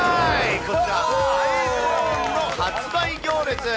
こちら、ｉＰｈｏｎｅの発売行列。